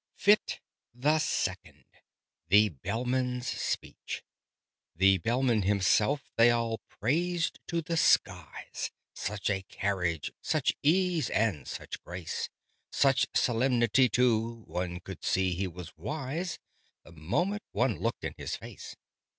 Fit the Second THE BELLMAN'S SPEECH The Bellman himself they all praised to the skies Such a carriage, such ease and such grace! Such solemnity, too! One could see he was wise, The moment one looked in his face!